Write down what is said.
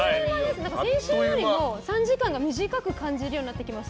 先週よりも３時間が短く感じるようになってきました。